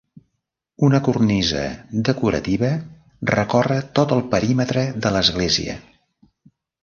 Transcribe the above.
Una cornisa decorativa recorre tot el perímetre de l'església.